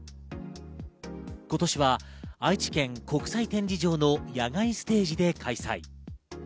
今年は愛知県国際展示場の野外ステージで開催。